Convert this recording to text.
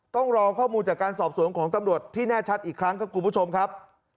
ต้องรอข้อมูลจากการสอบสวนของตำรวจที่แน่ชัดอีกครั้งครับคุณผู้ชมครับ